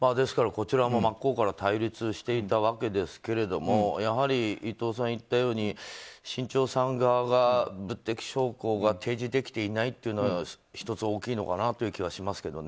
こちらも真っ向から対立していたわけですけどもやはり、伊藤さんが言ったように新潮さん側が物的証拠を提示できていないというのは１つ、大きいのかなという気はしますけどね。